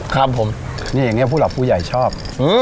ครับผมนี่อย่างนี้ผู้หลักผู้ใหญ่ชอบ